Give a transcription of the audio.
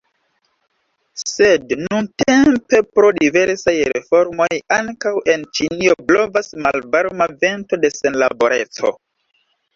Sed nuntempe pro diversaj reformoj ankaŭ en Ĉinio blovas malvarma vento de senlaboreco.